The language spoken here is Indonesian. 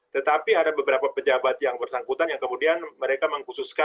tetapi ada beberapa pejabat yang bersangkutan yang kemudian mereka mengkhususkan